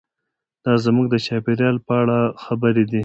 دا زموږ د چاپیریال په اړه خبرې دي.